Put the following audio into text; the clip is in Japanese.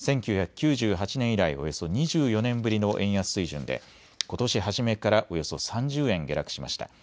１９９８年以来およそ２４年ぶりの円安水準でことし初めからおよそ３０円下落しました。